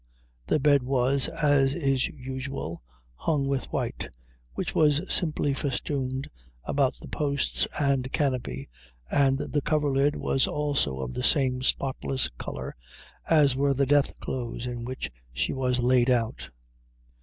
The bed was, as is usual, hung with white, which was simply festooned about the posts and canopy, and the coverlid was also of the same spotless color, as were the death clothes in which she was laid out.